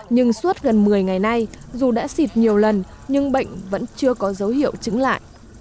nhưng suốt gần một mươi ngày nay dù đã xịt nhiều lần nhưng bệnh vẫn chưa có dấu hiệu chứng lại